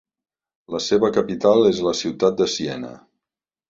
La seva capital és la ciutat de Siena.